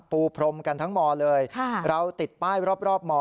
ปูพรมกันทั้งมเลยเราติดป้ายรอบม